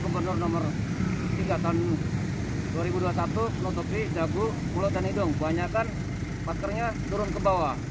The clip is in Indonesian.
komponen nomor tiga tahun dua ribu dua puluh satu penutupi dagu mulut dan hidung kebanyakan pasarnya turun kebawah